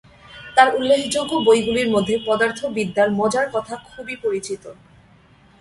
তার উল্লেখযোগ্য বই গুলির মধ্যে পদার্থবিদ্যার মজার কথা খুবই পরিচিত।